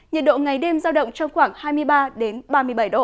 nhiệt độ ngày đêm giao động trong khoảng hai mươi ba ba mươi bảy độ